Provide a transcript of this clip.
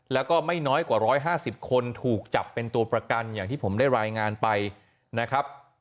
แล้วก็ไม่น้อยกว่า๑๕๐คนถูกจับเป็นตัวประกันอย่างที่ผมได้รายงานไปนะครับ